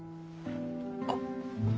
あっ。